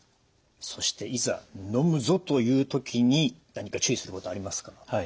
そして「いざのむぞ」という時に何か注意することありますか？